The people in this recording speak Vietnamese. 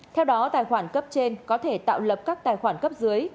theo đó tài khoản cấp trên có thể tạo lập các tài khoản cấp dưới